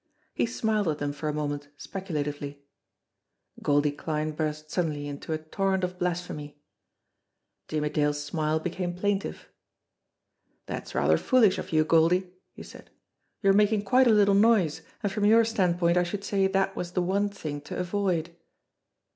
He smiled at them for a moment speculatively. Goldie Kline burst suddenly into a torrent of blasphemy. Jimmie Dale's smile became plaintive. "That's rather foolish of you, Goldie," he said. "You are making quite a little noise, and from your standpoint .1 should say that was the one thing to avoid."